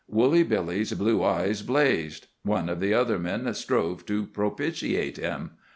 Woolly Billy's blue eyes blazed. One of the other men strove to propitiate him.